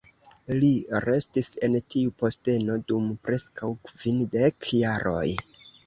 Li restis en tiu posteno dum preskaŭ kvindek jaroj.